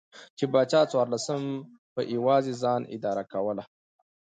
چې پاچا څوارلسم په یوازې ځان اداره کوله.